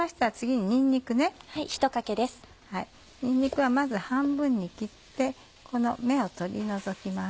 にんにくはまず半分に切ってこの芽を取り除きます。